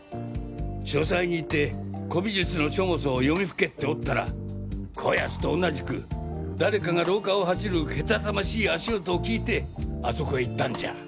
書斎に行って古美術の書物を読みふけっておったらこやつと同じく誰かが廊下を走るけたたましい足音を聞いてあそこへ行ったんじゃ。